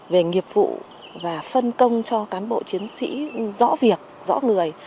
về nghiệp vụ và phân công cho cán bộ chiến sĩ rõ việc rõ người